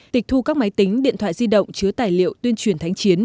tịch thu các máy tính điện thoại di động chứa tài liệu tuyên truyền thánh chiến